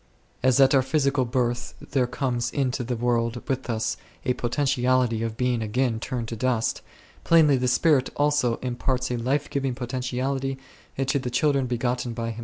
As at our uhysical birth there comes into the world with us a potentiality of being again turned to dust, plainly the Spirit also imparts a life giving potentiality to the children begotten by Him 8 2 Cor.